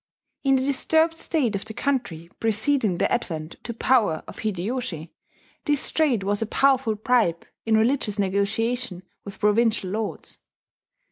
In the disturbed state of the country preceding the advent to power of Hideyoshi, this trade was a powerful bribe in religious negotiation with provincial lords.